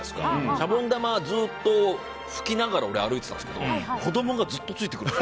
シャボン玉ずっと吹きながら、俺歩いてたんですけど子供がずっとついてくる。